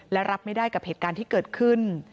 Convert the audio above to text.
และรับไม่ได้กับเหตุการณ์ที่เกิดขึ้น